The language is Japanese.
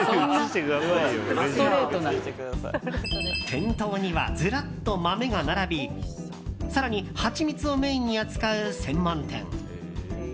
店頭には、ずらっと豆が並び更に、ハチミツをメインに扱う専門店。